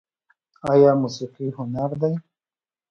آیا موسیقي هنر دی؟